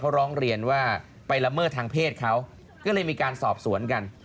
เขาร้องเรียนว่าไปละเมิดทางเพศเขาก็เลยมีการสอบสวนกัน